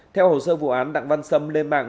theo hồ sơ vụ án đọc văn xâm lên mạng